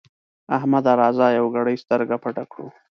احمده! راځه يوه ګړۍ سترګه پټه کړو.